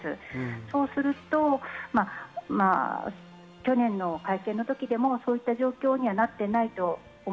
そうすると去年の会見の時でもそうした状況にはなっていないと思